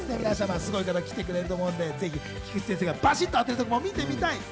すごい方がまた来てくれると思うので菊地先生がバシっと当てるところを見てみたい。